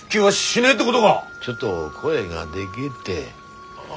ちょっと声がでけえって。